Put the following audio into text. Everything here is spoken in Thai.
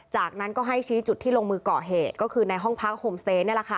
จากนั้นก็ให้ชี้จุดที่ลงมือก่อเหตุก็คือในห้องพักโฮมสเตย์นี่แหละค่ะ